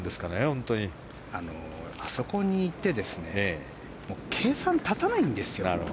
あそこに行って計算立たないんですよ。